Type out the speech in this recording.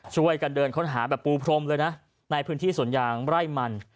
ช่วยกันเดินค้นหาแบบปูพรมเลยนะในพื้นที่สวนยางไร่มัน